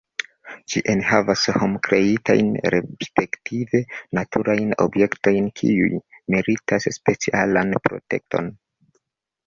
Ĝi enhavas hom-kreitajn respektive naturajn objektojn, kiuj meritas specialan protekton.